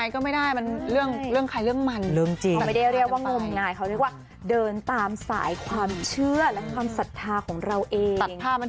ก็ฝากติดตามกันด้วยนะครับ